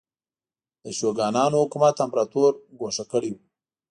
د شوګانانو حکومت امپراتور ګوښه کړی و.